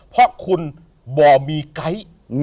เพราะคุณบ่อมีไก๊